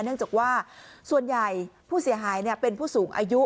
เนื่องจากว่าส่วนใหญ่ผู้เสียหายเป็นผู้สูงอายุ